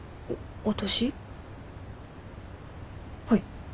はい。